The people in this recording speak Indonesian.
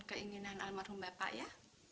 keinginan almarhum bapak ya